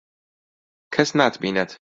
کەس ناتبینێت.